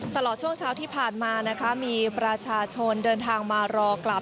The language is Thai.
ตลอดช่วงเช้าที่ผ่านมานะคะมีประชาชนเดินทางมารอกลับ